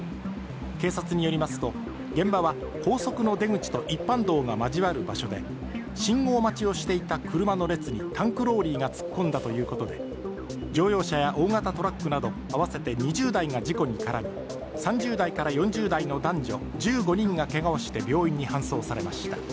警察によりますと、現場は高速の出口と一般道が交わる場所で、信号待ちをしていた車の列にタンクローリーが突っ込んだということで乗用車や大型トラックなど合わせて２０台が事故に絡み３０代から４０代の男女１５人がけがをして病院に搬送されました。